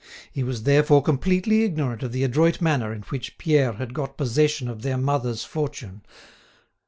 He was therefore completely ignorant of the adroit manner in which Pierre had got possession of their mother's fortune.